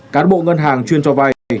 cán bộ ngân hàng chuyên cho vay